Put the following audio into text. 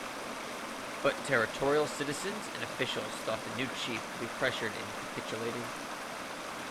But territorial citizens and officials thought the new chief could be pressured into capitulating.